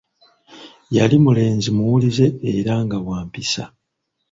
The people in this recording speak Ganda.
Yali mulenzi muwulize era nga wa mpisa.